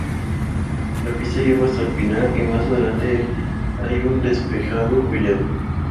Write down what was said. La pista lleva hasta un pinar y más adelante hay un despejado collado.